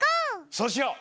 そうしよう！